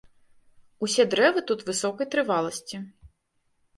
Усе дрэвы тут высокай трываласці.